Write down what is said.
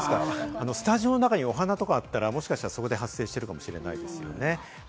スタジオの中にお花とかあったら、もしかしたらそこで発生するかもしれないんですよね。